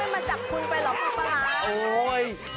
แล้วเขาไม่มาจับคุณไปหรอกพี่คะ